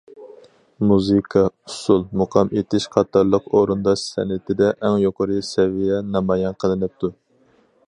مۇزىكا، ئۇسسۇل، مۇقام ئېيتىش قاتارلىق ئورۇنداش سەنئىتىدە ئەڭ يۇقىرى سەۋىيە نامايان قىلىنىپتۇ.